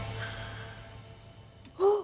あっ！